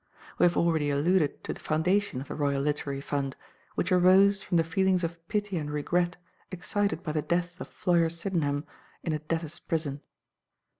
We have already alluded to the foundation of the Royal Literary Fund, which arose from the feelings of pity and regret excited by the death of Floyer Sydenham in a debtors' prison.